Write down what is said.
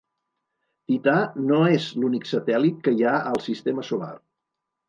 Tità no és l'únic satèl·lit que hi ha al sistema solar.